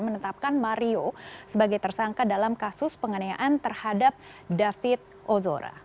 menetapkan mario sebagai tersangka dalam kasus penganiayaan terhadap david ozora